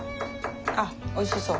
あっおいしそう。